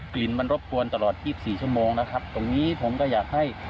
กลิ่นมันรบกวนตลอด๒๔ชั่วโมงนะครับตรงนี้ผมก็อยากให้